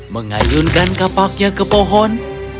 mengayunkan kapaknya ke pohon